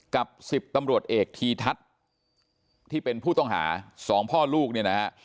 กับ๑๐ตำรวจเอกทีทัศน์ที่เป็นผู้ต้องหาสองพ่อลูกเนี่ยนะฮะ